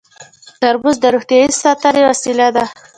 ترموز د روغتیا د ساتنې وسیله ده.